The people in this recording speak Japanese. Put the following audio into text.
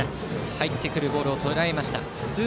入ってくるボールをとらえました。